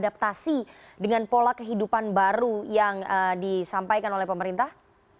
bagaimana kemudian masyarakat kita bisa beradaptasi dengan pola kehidupan baru yang disampaikan oleh pemerintah